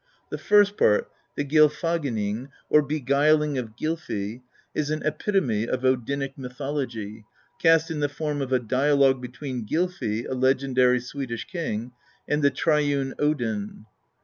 The first part, the Gylfaginning^ov Beguiling of Gylfi, is an epitome of Odinic mythology, cast in the form of a dialogue between Gylfi, a legendary Swedish king, and the triune Odin.